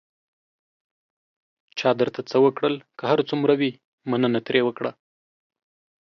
چا درته څه وکړل، که هر څومره وي، مننه ترې وکړه.